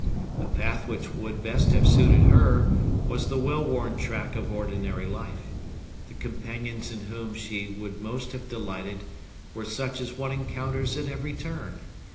The path which would best have suited her was the well worn track of ordinary life; the companions in whom she would most have delighted were such as one encounters at every turn.